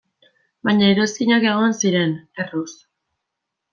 Baina iruzkinak egon ziren, erruz.